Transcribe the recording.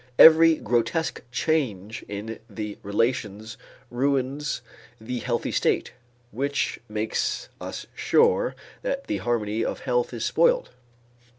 Every grotesque change in the relations ruins the healthy state: what makes us sure that the harmony of health is spoiled?